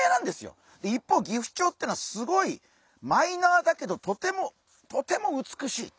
一方ギフチョウっていうのはすごいマイナーだけどとてもとても美しい。